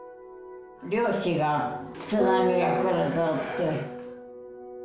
漁師が、津波が来るぞって。